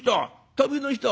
旅の人。